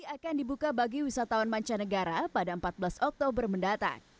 akan dibuka bagi wisatawan mancanegara pada empat belas oktober mendatang